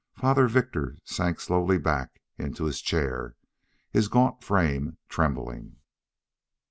Father Victor sank slowly back into his chair, his gaunt frame trembling.